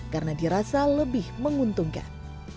karena dirasa lebih menguntungkan